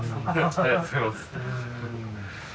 ありがとうございます。